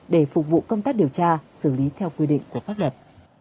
để phục vụ công tác điều tra xử lý theo quy định của pháp luật